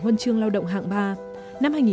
huân chương lao động hạng ba